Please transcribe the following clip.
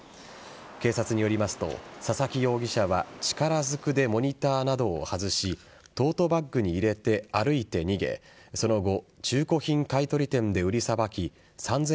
警察によりますと佐々木容疑者は力ずくでモニターなどを外しトートバッグに入れて歩いて逃げその後中古品買取店で売りさばき「パーフェクトスティック」は。